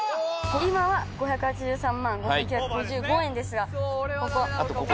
今は５８３万５９５５円ですがここ。